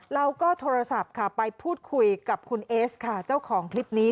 เราก็โทรศัพท์ค่ะไปพูดคุยกับคุณเอสค่ะเจ้าของคลิปนี้